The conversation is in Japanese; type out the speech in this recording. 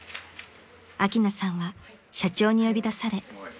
［アキナさんは社長に呼び出され］